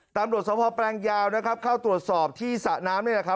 ตำรวจสมภาพแปลงยาวเข้าตรวจสอบที่สะน้ำ